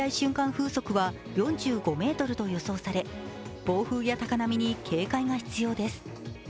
風速は４５メートルと予想され、暴風や高波に警戒が必要です。